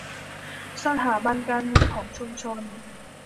สถาบันการเงินของชุมชน